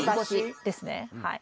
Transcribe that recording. ですねはい。